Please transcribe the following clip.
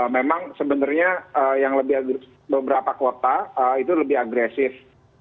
memang sebenarnya yang lebih beberapa kota itu lebih agresif